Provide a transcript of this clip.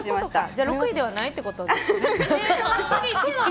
じゃあ６位ではないってことですね。